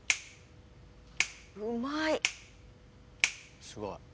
うまい！